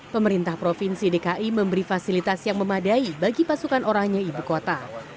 pemerintah provinsi dki memberi fasilitas yang memadai bagi pasukan orangnya ibu kota